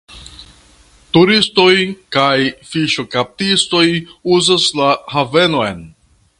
Turistoj kaj fiŝkaptistoj uzas la havenon.